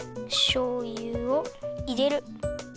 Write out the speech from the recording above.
しょうゆをいれる。